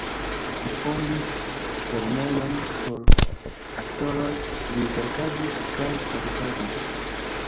Li fondis lernejon por aktoroj, li verkadis kaj tradukadis.